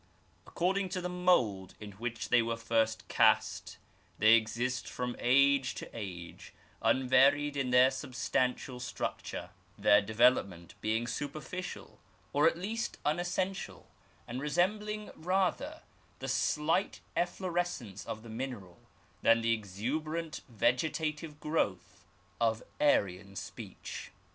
According to the mould in which they were first cast, they exist from age to age, unvaried in their substantial structure; their development being superficial, or at least im essential, and resembling rather the slight efflorescence of the mineral than the exuberant vegetative growth of Aryan speech.